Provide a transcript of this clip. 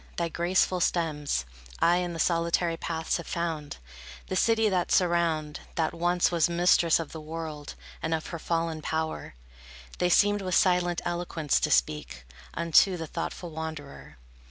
Thy graceful stems I in the solitary paths have found, The city that surround, That once was mistress of the world; And of her fallen power, They seemed with silent eloquence to speak Unto the thoughtful wanderer.